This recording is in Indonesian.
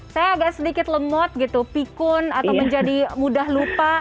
saya agak sedikit lemot gitu pikun atau menjadi mudah lupa